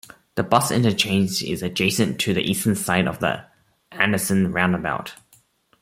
The bus interchange is adjacent to the eastern side of the Anderson roundabout.